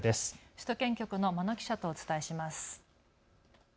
首都圏局の眞野記者とお伝えします。